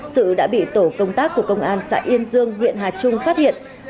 sự đã bị tổ công tác của công an xã yên dương huyện hà trung phát hiện